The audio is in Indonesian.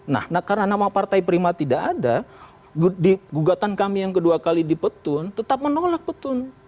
nah karena nama partai prima tidak ada di gugatan kami yang kedua kali di petun tetap menolak petun